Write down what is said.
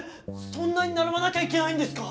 そんなに並ばなきゃいけないんですか？